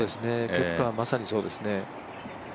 ケプカはまさにそうですね。